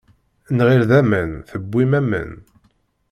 Nɣil d aman tewwim aman.